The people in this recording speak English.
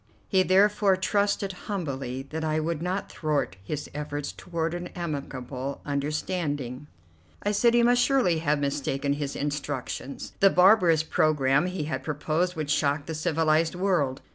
He therefore trusted humbly that I would not thwart his efforts toward an amicable understanding. I said he must surely have mistaken his instructions; the barbarous programme he had proposed would shock the civilized world.